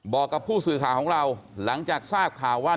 บอกกับผู้สื่อข่าวของเราหลังจากทราบข่าวว่า